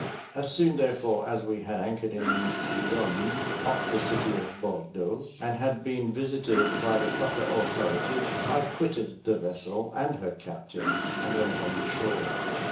As soon, therefore, as we had anchored in the Gironde, off the city of Bordeaux, and had been visited by the proper authorities, I quitted the vessel and her captain, and went on shore.